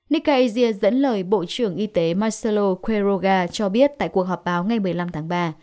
nica asia dẫn lời bộ trưởng y tế marcelo queiroga cho biết tại cuộc họp báo ngày một mươi năm tháng ba